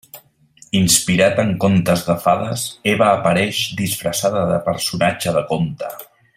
Inspirat en contes de fades, Eva apareix disfressada de personatge de conte.